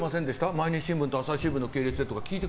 毎日新聞と朝日新聞の系列でとか。